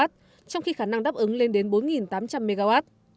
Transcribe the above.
trong khi khả năng đáp ứng lên đến bốn tám trăm linh mw